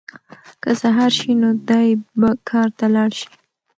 که سهار شي نو دی به کار ته لاړ شي.